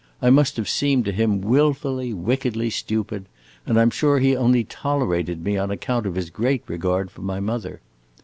I must have seemed to him wilfully, wickedly stupid, and I 'm sure he only tolerated me on account of his great regard for my mother.